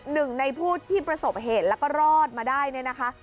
หนึ่งในผู้ที่ประสบเหตุแล้วก็รอดมาได้เนี่ยนะคะ